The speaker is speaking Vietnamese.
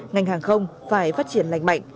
ngành hàng không phải phát triển lành mạnh